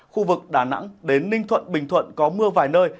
khu vực đà nẵng đến ninh thuận bình thuận có mưa vài nơi